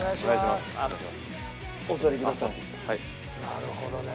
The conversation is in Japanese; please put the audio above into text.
なるほどね。